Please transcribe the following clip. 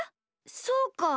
そうか。